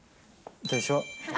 でしょ。